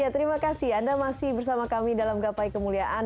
terima kasih anda masih bersama kami dalam gapai kemuliaan